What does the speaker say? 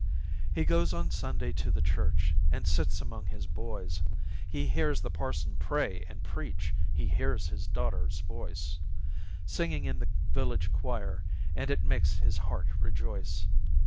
He goes on Sunday to the church, And sits among his boys He hears the parson pray and preach, He hears his daughter's voice, Singing in the village choir, And it makes his heart rejoice.